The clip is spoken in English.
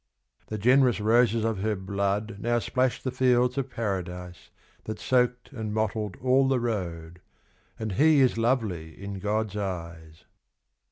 The generous roses of her blood Now splash the fields of paradise That soaked and mottled all the road, And he is lovely in God's eyes.